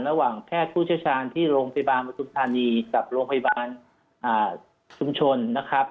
แพทย์ผู้เชี่ยวชาญที่โรงพยาบาลประทุมธานีกับโรงพยาบาลชุมชนนะครับ